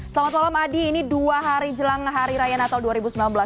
selamat malam adi ini dua hari jelang hari raya natal dua ribu sembilan belas